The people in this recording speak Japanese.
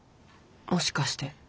もしかして」。